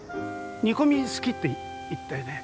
煮込み好きって言ったよね？